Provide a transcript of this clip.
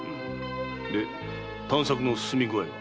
で探索のすすみ具合は？